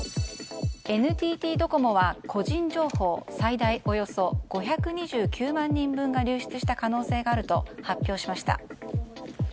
ＮＴＴドコモは個人情報最大およそ５２９万人分が流出した可能性があると発表しました。